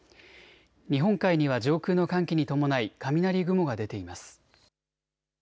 日本海には上空の寒気に伴い雷雲が出ています。